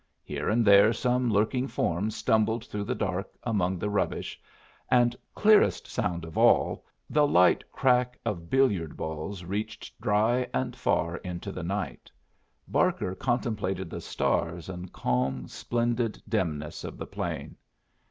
Here and there some lurking form stumbled through the dark among the rubbish; and clearest sound of all, the light crack of billiard balls reached dry and far into the night Barker contemplated the stars and calm splendid dimness of the plain.